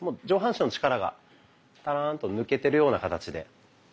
上半身の力がたらんと抜けてるような形で。